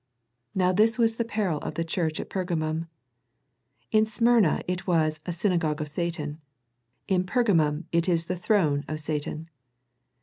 Now this was the peril of the church at Pergamum. In Smyrna it was " a synagogue of Satan." In Pergamum it is the " throne of Satan."